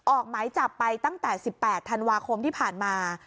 ออกหมายจับไปตั้งแต่๑๘ธันวาคมที่ผ่านมา